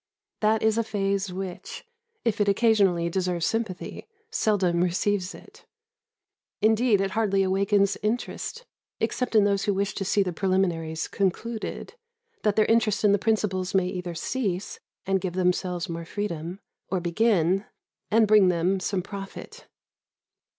That is a phase which, if it occasionally deserves sympathy, seldom receives it; indeed, it hardly awakens interest, except in those who wish to see the preliminaries concluded, that their interest in the principals may either cease, and give themselves more freedom, or begin, and bring them some profit.